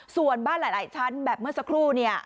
ส่วนบ้านหลายชั้นแบบเมื่อสักครู่เนี่ย